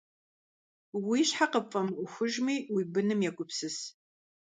Уи щхьэ къыпфӀэмыӀуэхужми, уи быным егупсыс.